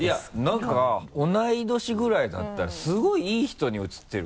なんか同い年ぐらいだったらすごいいい人に映ってるから。